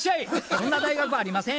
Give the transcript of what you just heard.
そんな大学ありません。